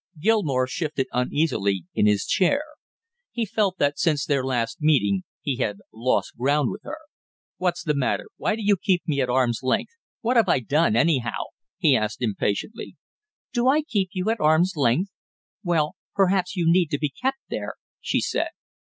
Gilmore shifted uneasily in his chair. He felt that since their last meeting he had lost ground with her. "What's the matter, why do you keep me at arm's length; what have I done, anyhow?" he asked impatiently. "Do I keep you at arm's length? Well, perhaps you need to be kept there," she said.